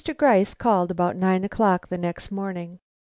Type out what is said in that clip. Gryce called about nine o'clock next morning.